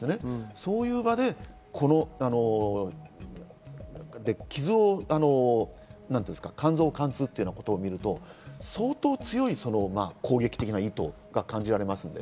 そういう場で、傷も肝臓を貫通というのを見ると、相当強い攻撃的な意図が感じられますので。